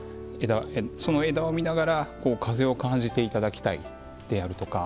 その枝を見ながら風を感じていただきたいであるとか。